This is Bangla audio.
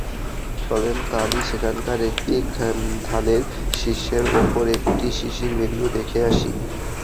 চলেন কালই সেখানকার একটি ধানের শিষের ওপর একটি শিশির বিন্দু দেখে আসি।